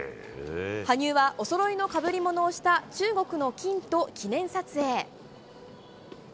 羽生はおそろいのかぶり物をした中国のキンと記念撮影。